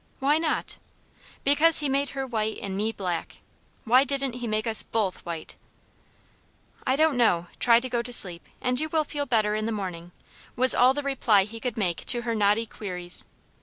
"Why not?" "Because he made her white, and me black. Why didn't he make us BOTH white?" "I don't know; try to go to sleep, and you will feel better in the morning," was all the reply he could make to her knotty queries.